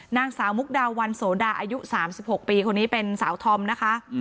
นางสาวมุกดาวันโสดาอายุ๓๖ปีคนนี้เป็นสาวธอมนะคะ